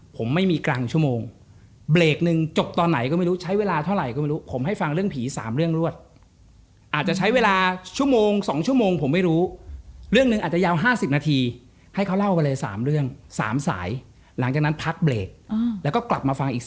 พี่ป๋องน่าจะเกลียดอะค่ะตั้งแต่ตอนนั้น